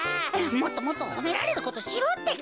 もっともっとほめられることしろってか。